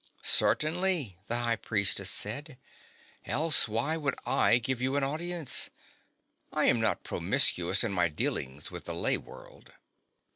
"Certainly," the High Priestess said. "Else why would I give you audience? I am not promiscuous in my dealings with the lay world."